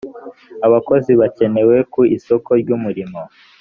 abakozi bakenewe ku isoko ry umurimo